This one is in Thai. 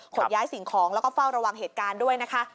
ขนย้ายสิ่งของแล้วก็เฝ้าระวังเหตุการณ์ด้วยนะคะ